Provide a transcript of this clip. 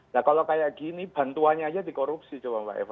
nah kalau kayak gini bantuannya aja dikorupsi coba mbak eva